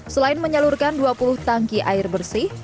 selain menyalurkan dua puluh tangki air bersih